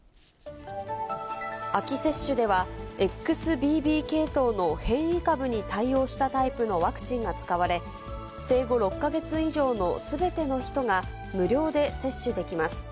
秋接種では、ＸＢＢ．系統の変異株に対応したタイプのワクチンが使われ、生後６か月以上のすべての人が無料で接種できます。